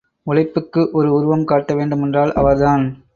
உழைப்புக் ஒரு உருவம் காட்ட வேண்டுமென்றால் அவர்தான்.